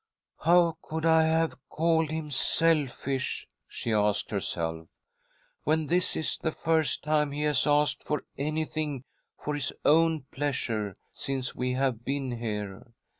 "How could I have called him selfish?" she asked herself, "when this is the first time he has asked for anything for his own pleasure since we have been here.